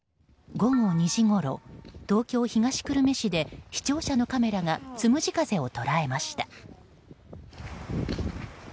午後２時ごろ東京・東久留米市で視聴者のカメラがつむじ風を捉えました。